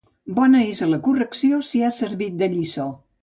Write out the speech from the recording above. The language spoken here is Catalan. Bona és la correcció si ha servit de lliçó.